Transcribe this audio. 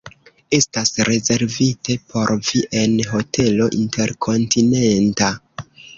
Estas rezervite por vi en Hotelo Interkontinenta!